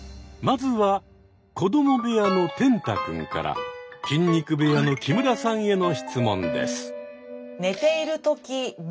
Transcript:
まずは子ども部屋の天嵩君から筋肉部屋の木村さんへの質問です。